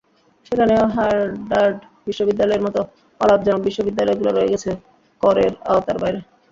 সেখানেও হার্ভার্ড বিশ্ববিদ্যালয়ের মতো অলাভজনক বিশ্ববিদ্যালয়গুলো রয়ে গেছে করের আওতার বাইরে।